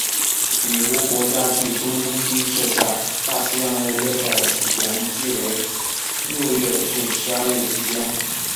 美国国家飓风中心设下大西洋的热带气旋季为六月至十二月期间。